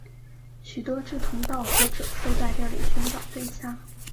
许多志同道合者都在这里寻找对象。